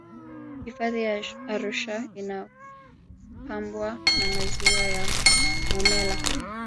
hifadhi ya arusha inapambwa na maziwa ya momella